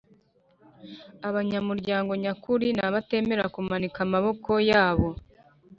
Abanyamuryango nyakuri nabatemera kumanika amaboko yabo